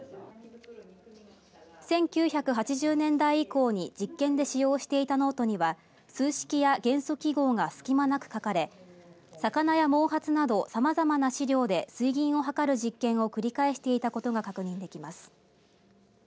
１９８０年代以降に実験で使用していたノートには数式や元素記号が隙間なく書かれ魚や毛髪などさまざまな資料で水銀を図る実験を繰り返していたことが確認できます。